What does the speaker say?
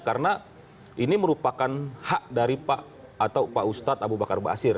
karena ini merupakan hak dari pak atau pak ustadz abu bakar basir